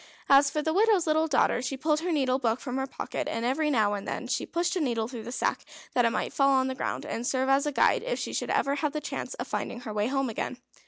As for the widow's little daughter she pulled her needle book from her pocket, and every now and then she pushed a needle through the sack, that it might fall on the ground, and serve as a guide if she should ever have the chance of finding her way home again.